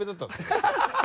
アハハハ。